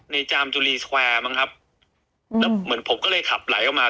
จามจุรีสแควร์บ้างครับแล้วเหมือนผมก็เลยขับไหลออกมา